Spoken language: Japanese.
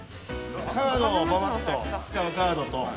カードをばばっと使うカードと。